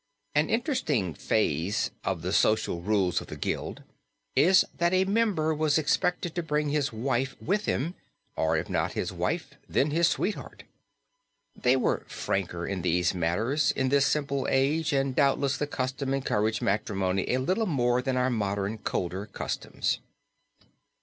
An interesting phase of the social rules of the guild is that a member was expected to bring his wife with him, or if not his wife then his sweetheart. They were franker in these matters in this simpler age and doubtless the custom encouraged matrimony a little bit more than our modern colder customs.